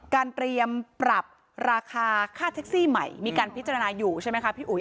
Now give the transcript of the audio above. เตรียมปรับราคาค่าแท็กซี่ใหม่มีการพิจารณาอยู่ใช่ไหมคะพี่อุ๋ย